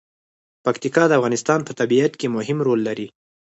پکتیکا د افغانستان په طبیعت کې مهم رول لري.